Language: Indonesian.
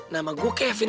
nama gue kevin